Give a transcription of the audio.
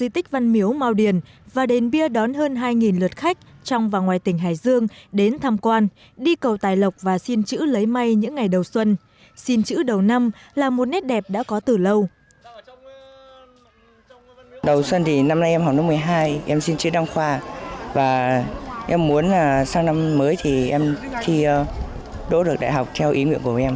tại hải dương hàng năm cứ đến tết cổ truyền của dân tộc hàng nghìn người trong và ngoài tỉnh lại tìm đến văn miếu mao điền